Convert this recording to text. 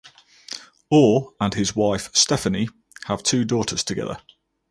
Orr and his wife Stephanie have two daughters together.